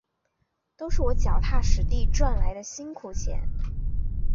都是我脚踏实地赚来的辛苦钱